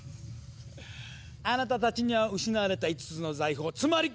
あなたたちには失われた５つの財宝つまり！